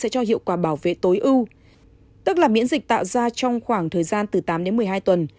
sẽ cho hiệu quả bảo vệ tối ưu tức là miễn dịch tạo ra trong khoảng thời gian từ tám đến một mươi hai tuần